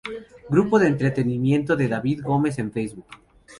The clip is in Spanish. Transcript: Grupo de entrenamiento de David Gómez en Facebook